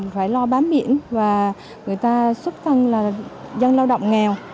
phải lo bám biển và người ta xuất thân là dân lao động nghèo